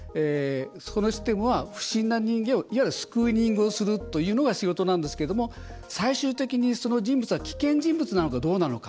このシステムは不審な人間をスクリーニングをするというのが仕事なんですけども最終的に、その人物が危険人物なのかどうなのか。